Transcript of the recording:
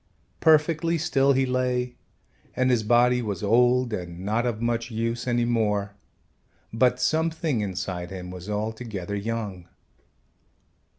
Perfectly still he lay and his body was old and not of much use any more, but something inside him was altogether young.